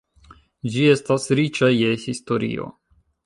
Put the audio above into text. Ĝi estas riĉa je historio.